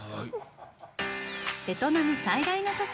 ベトナム最大の都市・